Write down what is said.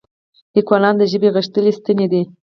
لیکوالان د ژبې غښتلي ستني دي.